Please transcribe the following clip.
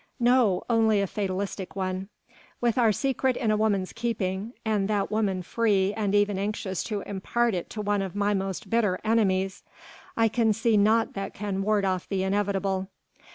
"No! only a fatalistic one. With our secret in a woman's keeping ... and that woman free and even anxious to impart it to one of my most bitter enemies ... I can see nought that can ward off the inevitable."